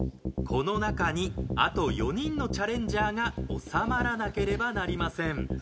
この中にあと４人のチャレンジャーが収まらなければなりません。